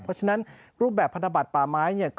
เพราะฉะนั้นรูปแบบพันธบัตรป่าไม้เนี่ย